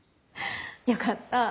よかった。